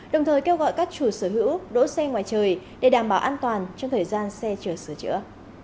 đồng thời kêu gọi các chủ sở hữu đỗ xe ngoài trời để đảm bảo an toàn trong thời gian xe chờ sửa chữa